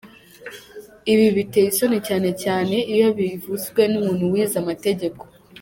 Ibyi biteye isoni cyane cyane iyo bivuzwe n’umuntu wize amategeko.